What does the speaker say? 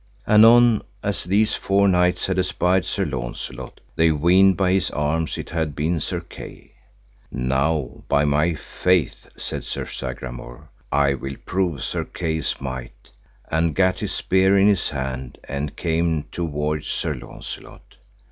Anon as these four knights had espied Sir Launcelot, they weened by his arms it had been Sir Kay. Now by my faith, said Sir Sagramour, I will prove Sir Kay's might, and gat his spear in his hand, and came toward Sir Launcelot.